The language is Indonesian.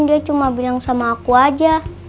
dia cuma bilang sama aku aja